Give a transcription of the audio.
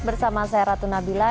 bersama saya ratu nabila